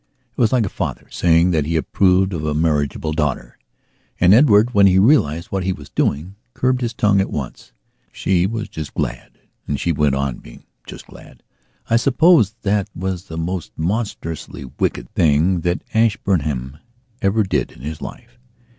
It was like a father saying that he approved of a marriageable daughter... And Edward, when he realized what he was doing, curbed his tongue at once. She was just glad and she went on being just glad. I suppose that that was the most monstrously wicked thing that Edward Ashburnham ever did in his life.